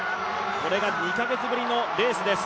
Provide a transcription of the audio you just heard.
これが２カ月ぶりのレースです